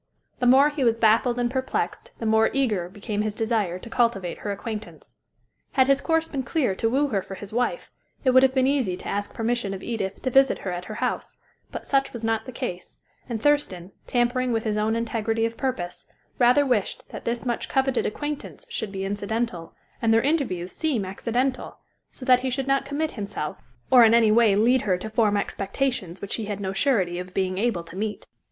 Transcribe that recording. The more he was baffled and perplexed, the more eager became his desire to cultivate her acquaintance. Had his course been clear to woo her for his wife, it would have been easy to ask permission of Edith to visit her at her house; but such was not the case, and Thurston, tampering with his own integrity of purpose, rather wished that this much coveted acquaintance should be incidental, and their interviews seem accidental, so that he should not commit himself, or in any way lead her to form expectations which he had no surety of being able to meet.